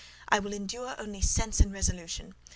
I will endure only sense and resolution.